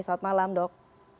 selamat malam dok